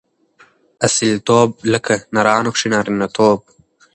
اصیلتوب؛ لکه نرانو کښي نارينه توب.